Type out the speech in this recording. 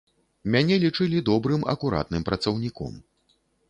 Мяне лічылі добрым, акуратным працаўніком.